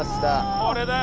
これだよ。